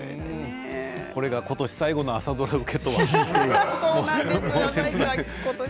これが今年最後の朝ドラ受けとは。